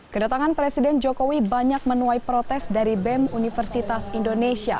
kedatangan presiden jokowi banyak menuai protes dari bem universitas indonesia